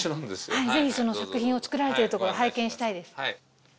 ぜひ作品を作られてるところ拝見したいです。